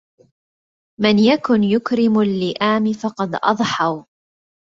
من يكن يكرم اللئام فقد أضحوا